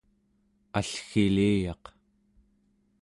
allgiliyaq